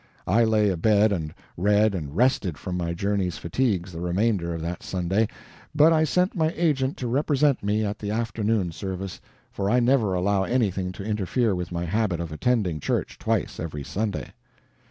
I lay abed and read and rested from my journey's fatigues the remainder of that Sunday, but I sent my agent to represent me at the afternoon service, for I never allow anything to interfere with my habit of attending church twice every Sunday.